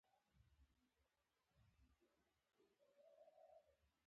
ملک صاحب ډېر خیرغوښتونکی انسان دی